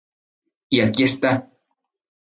Y aquí está.